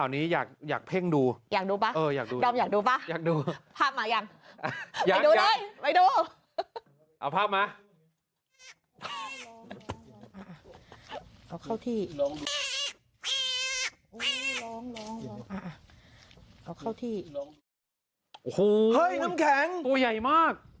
นี่ดูดูเขาจำนี่แหละ